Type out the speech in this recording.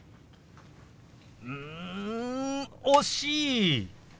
うん惜しい！